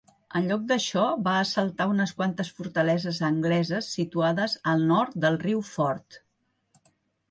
En lloc d'això, va assaltar unes quantes fortaleses angleses situades al nord del riu Forth.